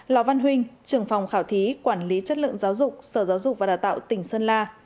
lò văn huynh trưởng phòng khảo thí quản lý chất lượng giáo dục sở giáo dục và đào tạo tỉnh sơn la